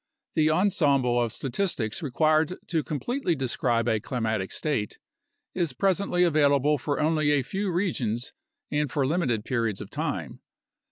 The ensemble of statistics required to completely describe a climatic state is presently available for only a few regions and for limited periods of time.